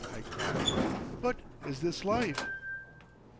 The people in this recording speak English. I cried, "but is this Life?"